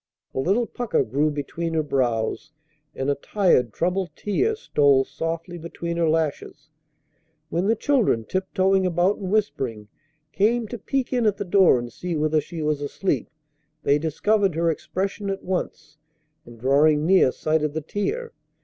A little pucker grew between her brows, and a tired, troubled tear stole softly between her lashes. When the children, tiptoeing about and whispering, came to peek in at the door and see whether she was asleep, they discovered her expression at once, and, drawing near, sighted the tear.